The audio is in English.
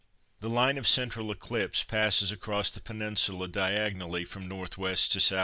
The line of central eclipse passes across the Peninsula diagonally from N.W. to S.E.